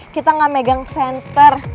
kita gak megang senter